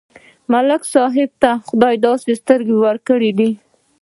ملک صاحب ته خدای داسې سترګې ورکړې دي،